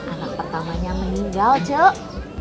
anak pertamanya meninggal cek